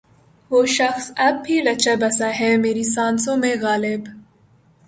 وہ شخص اب بھی رچا بسا ہے میری سانسوں میں غالب